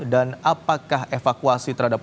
dan apakah evakuasi terhadap